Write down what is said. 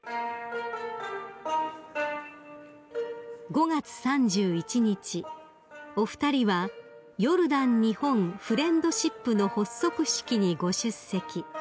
［５月３１日お二人はヨルダン日本フレンドシップの発足式にご出席］